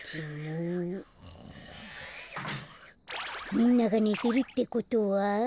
みんながねてるってことは。